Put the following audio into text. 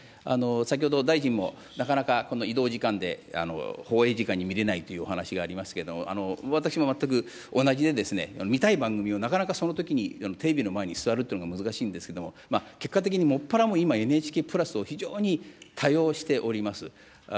先ほど大臣も、なかなかこの移動時間で放映時間に見れないというお話がありましたけれども、私も全く同じで、見たい番組を、なかなかそのときにテレビの前に座るというのが難しいんですけれども、結果的に専ら今、ＮＨＫプラスを非常に多用しております。